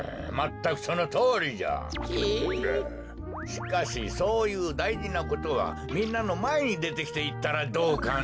しかしそういうだいじなことはみんなのまえにでてきていったらどうかね？